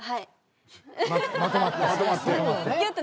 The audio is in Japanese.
まとまって？